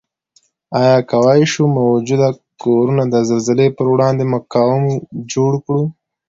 آیا کوای شو موجوده کورنه د زلزلې پروړاندې مقاوم جوړ کړو؟